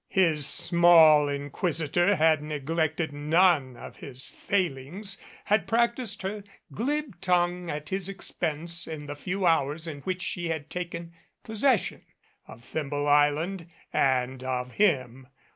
His small inquisitor had neglected none of his failings, had practiced her glib tongue at his expense in the few hours in which she had taken possession of Thimble Island and of him.